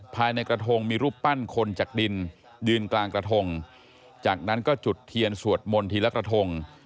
ภายในกระทงมีรูปปั้นคนจากดินยืนกลางกระทงจากนั้นก็จุดเทียนสวดมนต์ทีละกระทง